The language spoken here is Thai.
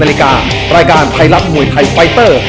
รายการไทยลักษณ์มวยไทยไฟเตอร์